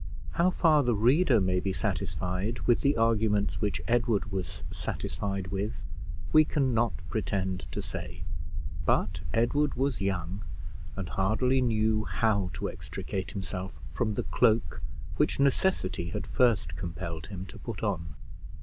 How far the reader may be satisfied with the arguments which Edward was satisfied with, we can not pretend to say; but Edward was young, and hardly knew how to extricate himself from the cloak which necessity had first compelled him to put on.